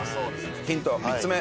ヒント３つ目。